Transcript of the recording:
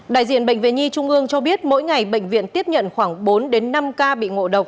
đại diện bệnh viện nhi trung ương cho biết mỗi ngày bệnh viện tiếp nhận khoảng bốn năm ca bị ngộ độc